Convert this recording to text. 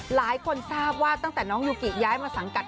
หลายคนทราบว่าตั้งแต่น้องยูกิย้ายมาสังกัด